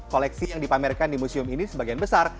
koleksi yang dipamerkan di museum ini sebagian besar